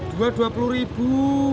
dua dua puluh ribu